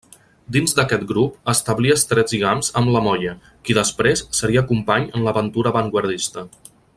Dins d'aquest grup establí estrets lligams amb Lamolla, qui després seria company en l'aventura avantguardista.